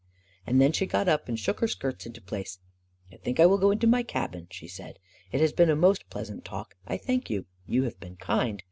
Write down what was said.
And then she got up and shook her skirts into place. " I think I will go to my cabin," she said. " It has been a most pleasant talk. I thank you. You have been kind.